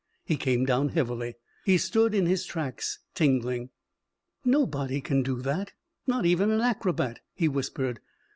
He came down heavily. He stood in his tracks, tingling. "Nobody can do that, not even an acrobat," he whispered.